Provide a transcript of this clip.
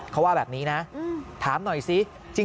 เขาว่าแบบนี้นะถามหน่อยสิ